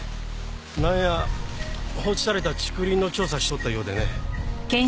なんや放置された竹林の調査しとったようでね。